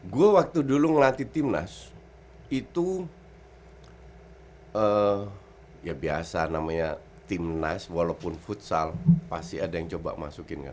gue waktu dulu ngelatih timnas itu ya biasa namanya timnas walaupun futsal pasti ada yang coba masukin kan